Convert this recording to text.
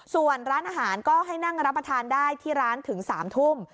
ส่วนร้านอาหารก็ให้นั่งรับประทานได้ที่ร้านถึง๓ทุ่ม